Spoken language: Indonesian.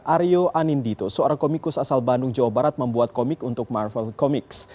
aryo anindito seorang komikus asal bandung jawa barat membuat komik untuk marvel comics